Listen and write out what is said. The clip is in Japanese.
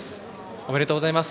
おめでとうございます。